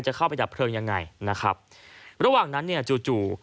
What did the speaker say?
จะเข้าไปทับเผลินยังไงระหว่างนันนี่จู่